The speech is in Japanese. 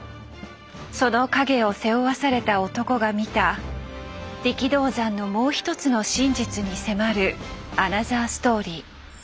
その陰を背負わされた男が見た力道山のもう一つの真実に迫るアナザーストーリー。